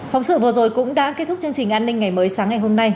phóng sự vừa rồi cũng đã kết thúc chương trình an ninh ngày mới sáng ngày hôm nay